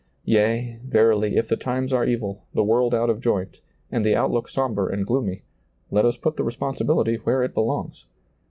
Yea, verily, if the times are evil, the world out of joint, and the outlook sombre and gloomy, let us put the responsibility where it belongs.